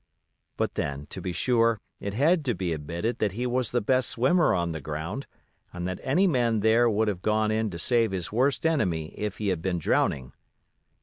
But, then, to be sure, it had to be admitted that he was the best swimmer on the ground, and that any man there would have gone in to save his worst enemy if he had been drowning.